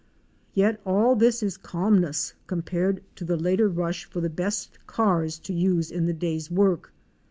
Yet all this is calmness compared to the later rush for the best cars to use in the day's work.